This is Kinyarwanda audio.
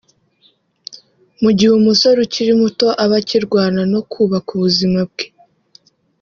Mu gihe umusore ukiri muto aba akirwana no kubaka ubuzima bwe